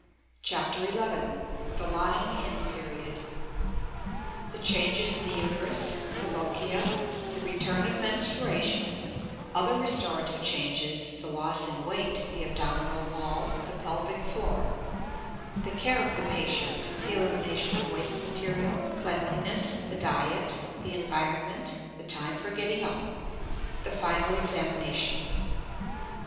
CHAPTER XI THE LYING IN PERIOD The Changes in the Uterus The Lochia The Return of Menstruation Other Restorative Changes: The Loss in Weight; The Abdominal Wall; The Pelvic Floor The Care of the Patient: The Elimination of Waste Material; Cleanliness; The Diet; The Environment; The Time for Getting up The Final Examination.